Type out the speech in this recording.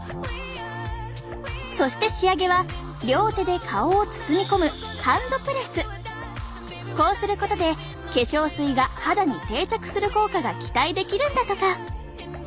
そして仕上げは両手で顔を包み込むこうすることで化粧水が肌に定着する効果が期待できるんだとか。